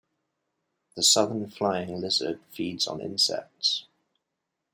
The southern flying lizard feeds on insects.